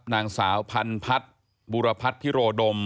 นางสาวพันพัดบุรพัดพิโรดม